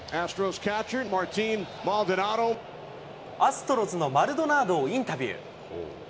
アストロズのマルドナードをインタビュー。